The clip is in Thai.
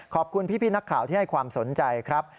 ขอบคุณพี่นักข่าวที่ให้ความสนใจครับ